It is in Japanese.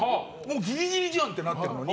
ギリギリじゃん！ってなってるのに。